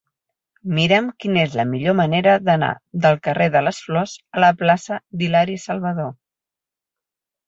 Mira'm quina és la millor manera d'anar del carrer de les Flors a la plaça d'Hilari Salvadó.